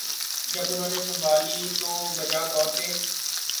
جب انہوں نے سنبھالی تو بجا طور پہ